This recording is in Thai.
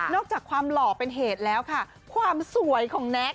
จากความหล่อเป็นเหตุแล้วค่ะความสวยของแน็ก